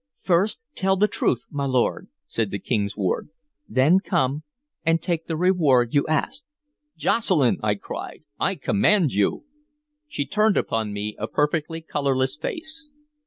"First tell the truth, my lord," said the King's ward; "then come and take the reward you ask." "Jocelyn!" I cried. "I command you" She turned upon me a perfectly colorless face.